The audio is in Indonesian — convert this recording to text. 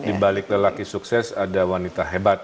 di balik lelaki sukses ada wanita hebat